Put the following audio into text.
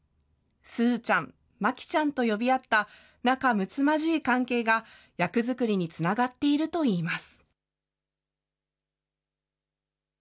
すーちゃん、まきちゃんと呼び合った仲むつまじい関係が役作りにつながっているといいます。